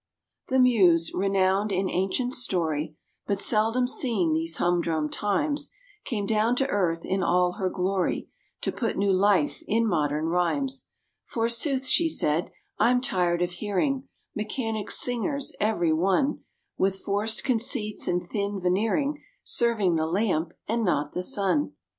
The Muse, renowned in ancient story, But seldom seen these humdrum times, Came down to earth, in all her glory, To put new life in modern rhymes. "Forsooth," she said, "I'm tired of hearing Mechanic singers, every one, With forced conceits and thin veneering, Serving the lamp, and not the sun."